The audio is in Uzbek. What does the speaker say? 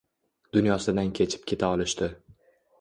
Dunyosidan kechib keta olishdi.